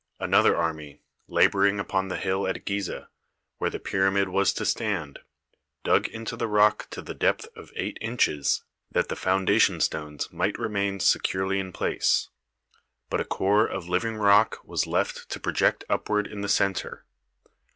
An other army, labouring upon the hill at Gizeh, where the pyramid was to stand, dug into the rock to the depth of eight inches that the foundation stones might remain securely in place, but a core of living rock was left to project upward in the centre.